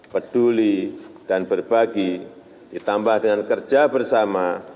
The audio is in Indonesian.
peduli dan berbagi ditambah dengan kerja bersama